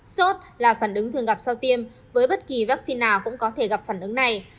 sốt là phản ứng thường gặp sau tiêm với bất kỳ vaccine nào cũng có thể gặp phản ứng này